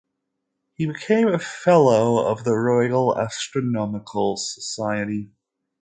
He became a fellow of the Royal Astronomical Society.